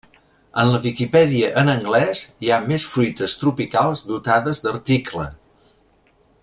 En la Wikipedia en anglès hi ha més fruites tropicals dotades d'article.